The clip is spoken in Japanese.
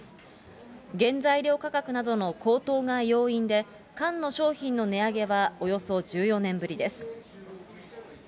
原材料価格などの高騰が要因で、缶の商品の値上げはおよそ１４年ぶりです。